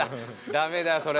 ダメだそれ。